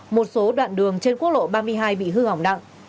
một số đoạn đường trên quốc lộ ba mươi hai bị hư hỏng nặng